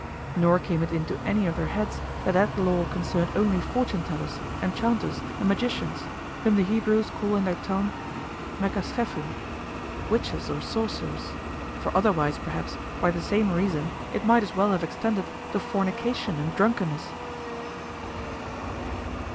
Nor came it into any of their heads that that law concerned only fortunetellers, enchanters, and magicians, whom the Hebrews call in their tongue "Mecaschephim," witches or sorcerers: for otherwise, perhaps, by the same reason it might as well have extended to fornication and drunkenness.